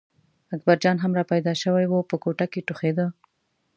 اکبرجان هم را پیدا شوی و په کوټه کې ټوخېده.